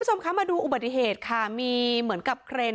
คุณผู้ชมคะมาดูอุบัติเหตุค่ะมีเหมือนกับเครน